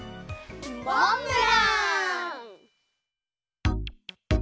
モンブラン！